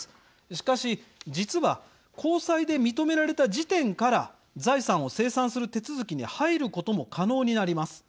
しかし、実は高裁で認められた時点から財産を清算する手続きに入ることも可能になります。